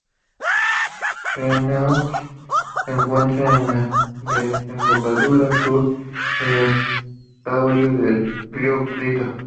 Greenock se encuentra en la desembocadura sur del estuario del río Clyde.